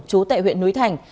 chú tại huyện núi thành